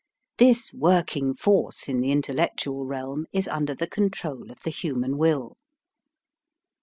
This working force in the intellectual realm is under the control of the hu man will.